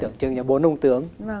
được chứng là bốn ông tướng